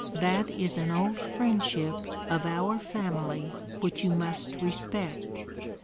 That is an old friendship of our family which you must respect.